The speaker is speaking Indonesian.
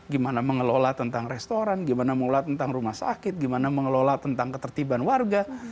gimana mengelola tentang restoran gimana mengelola tentang rumah sakit gimana mengelola tentang ketertiban warga